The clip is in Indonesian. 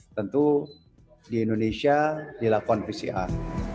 tentu di indonesia dilakukan pcr